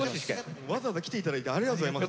わざわざ来ていただいてありがとうございます。